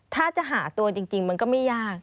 ถ้าจะหาตัวจริงมันก็ไม่ยาก